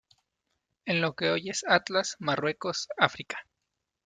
En lo que hoy es Atlas, Marruecos, África.